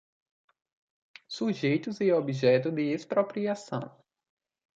Sujeitos e objeto de expropriação.